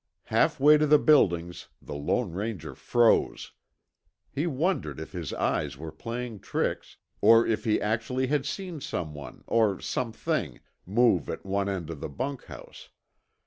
Halfway to the buildings, the Lone Ranger froze. He wondered if his eyes were playing tricks, or if he actually had seen someone, or something, move at one end of the bunkhouse.